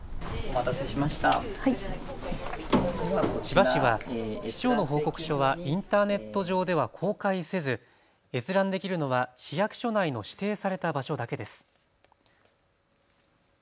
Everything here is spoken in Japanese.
千葉市は市長の報告書はインターネット上では公開せず閲覧できるのは市役所内の指定された場所だけです。